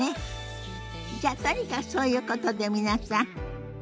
じゃあとにかくそういうことで皆さんごきげんよう。